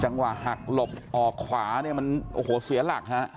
ภาคเวลาหักหลบออกขวารุนมันโหเสียหรักฮะ